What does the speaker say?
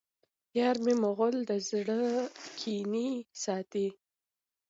یارمی مغل د زړه کینې ساتي